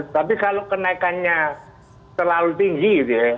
tapi kalau kenaikannya terlalu tinggi gitu ya